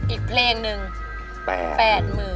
อีกเพลงหนึ่ง๘๐๐๐